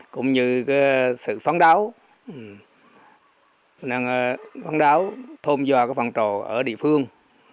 cũng như sự phấn đấu phấn đấu thôn doa các phân trò ở địa phương